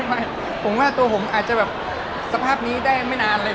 แต่ว่าตัวผมอาจจะไม่ค่อยได้กินหรือเม้นอะไรแนวนั้น